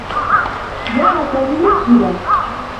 زار سامي مسجدا.